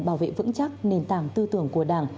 bảo vệ vững chắc nền tảng tư tưởng của đảng